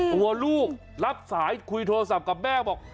ตัวลูกรับสายคุยโทรศัพท์กับแม่บอก